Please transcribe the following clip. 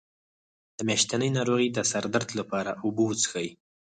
د میاشتنۍ ناروغۍ د سر درد لپاره اوبه وڅښئ